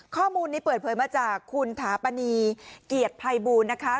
ข้อมูลนี้เปิดเผยมาจากคุณถาปณีเกียรติภัยบูลนะคะ